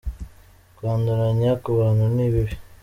Kwanduranya kubantu ni bibi.